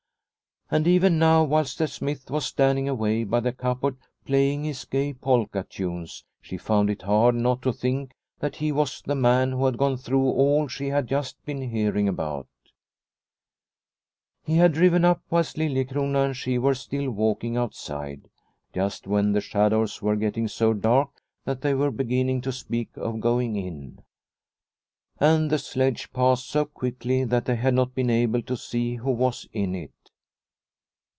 And even now whilst the smith was standing away by the cupboard playing his gay polka tunes she found it hard not to think that he was the man who had gone through all she had just been hearing about. The Smith from Henriksberg 169 He had driven up whilst Liliecrona and she were still walking outside, just when the shadows were getting so dark that they were beginning to speak of going in, and the sledge passed so quickly that they had not been able to see who was in it.